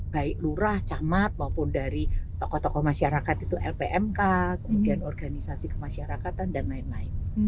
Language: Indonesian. baik lurah camat maupun dari tokoh tokoh masyarakat itu lpmk kemudian organisasi kemasyarakatan dan lain lain